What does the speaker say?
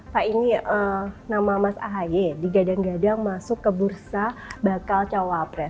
pak ini nama mas ahy digadang gadang masuk ke bursa bakal cawapres